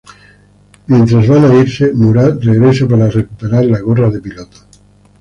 Mientras van a irse, Murad regresa para recuperar la gorra de piloto.